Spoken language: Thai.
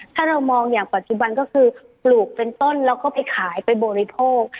ถ้าเรามองอย่างปัจจุบันก็คือปลูกเป็นต้นแล้วก็ไปขายไปบริโภค